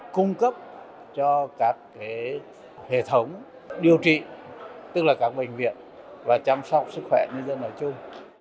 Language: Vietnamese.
cung cấp cho các hệ thống điều trị tức là các bệnh viện và chăm sóc sức khỏe nhân dân nói chung